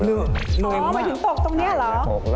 เหนือยมาก